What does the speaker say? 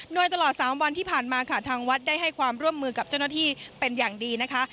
โดยตลอด๓วันที่ผ่านมาค่ะทางวัดได้ให้ความร่วมมือกับเจ้าหน้าที่เป็นอย่างดีนะคะ